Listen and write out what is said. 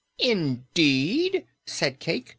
"Indeed!" said Cayke.